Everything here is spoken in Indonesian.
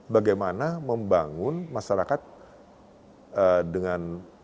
bagaimana membangun masyarakat dengan